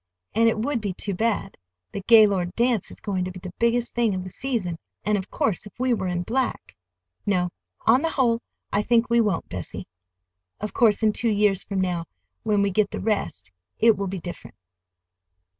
And it would be too bad—that Gaylord dance is going to be the biggest thing of the season, and of course if we were in black—No; on the whole, I think we won't, Bessie. Of course, in two years from now, when we get the rest, it will be different."